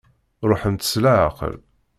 Ṛuḥemt s leɛqel.